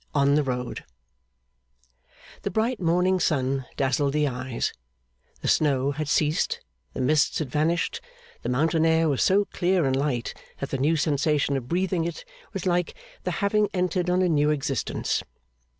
On the Road The bright morning sun dazzled the eyes, the snow had ceased, the mists had vanished, the mountain air was so clear and light that the new sensation of breathing it was like the having entered on a new existence.